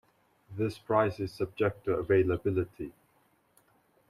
This price is subject to availability.